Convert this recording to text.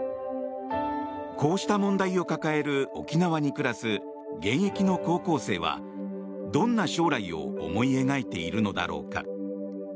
こうした問題を抱える沖縄に暮らす現役の高校生はどんな将来を思い描いているのだろうか。